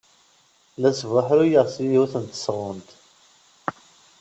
La sbuḥruyeɣ s yiwet n tesɣunt.